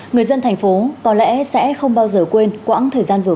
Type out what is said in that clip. người dân thành phố có lẽ sẽ không bao giờ quên quãng thời gian vừa